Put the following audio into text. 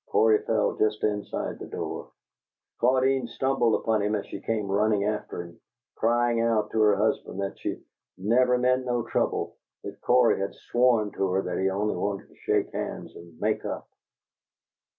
Cory fell just inside the door. Claudine stumbled upon him as she came running after him, crying out to her husband that she 'never meant no trouble,' that Cory had sworn to her that he only wanted to shake hands and 'make up.'